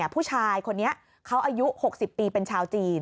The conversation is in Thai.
ผู้ชายคนนี้เขาอายุ๖๐ปีเป็นชาวจีน